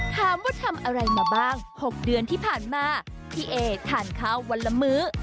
ถามว่าทำอะไรมาบ้าง๖เดือนที่ผ่านมาพี่เอทานข้าววันละมื้อ